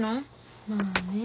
まあね。